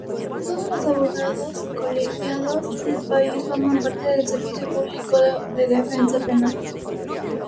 Todos los abogados colegiados del país forman parte del Servicio Público de Defensa Penal.